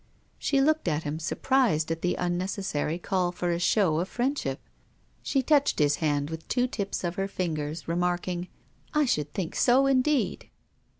She looked at him surprised at the unnecessary call for a show, of friendship; she touched his hand with two tips of her fingers, remarking, 'I should think so, indeed.'